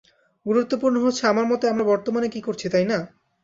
গুরুত্বপূর্ণ হচ্ছে, আমার মতে, আমরা বর্তমানে কী করছি, তাই না?